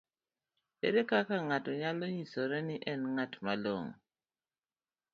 Ere kaka ng'ato nyalo nyisore ni en ng'at malong'o?